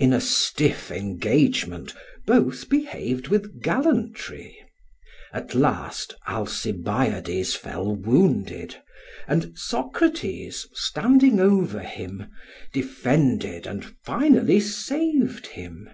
In a stiff engagement both behaved with gallantry. At last Alcibiades fell wounded, and Socrates, standing over him, defended and finally saved him.